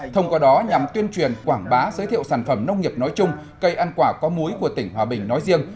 thông qua đó nhằm tuyên truyền quảng bá giới thiệu sản phẩm nông nghiệp nói chung cây ăn quả có múi của tỉnh hòa bình nói riêng